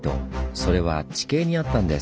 それは地形にあったんです。